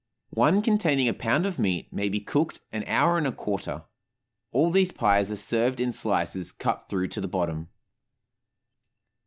One containing a pound of meat may be cooked an hour and a quarter. All these pies are served in slices, cut through to the bottom.